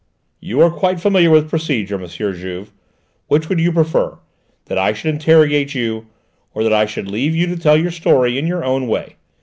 "You are quite familiar with procedure, M. Juve. Which would you prefer: that I should interrogate you, or that I should leave you to tell your story in your own way?